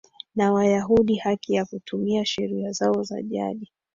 na Wayahudi haki ya kutumia sheria zao za jadi